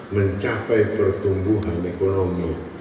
mencapai pertumbuhan ekonomi